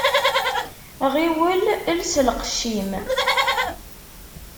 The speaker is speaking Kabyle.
Ɣiwel els lqecc-im.